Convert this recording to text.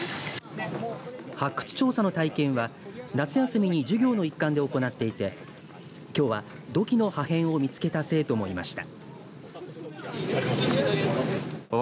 発掘調査の体験は夏休みに授業の一環で行っていてきょうは土器の破片を見つけた生徒もいました。